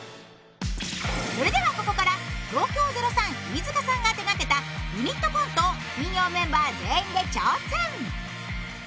それではここから東京０３飯塚さんが手がけたユニットコントを金曜メンバー全員で挑戦。